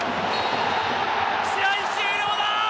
試合終了だ！